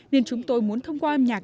nên chúng tôi muốn thông qua âm nhạc